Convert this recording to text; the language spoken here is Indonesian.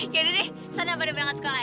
ya udah deh sana pada berangkat sekolah ya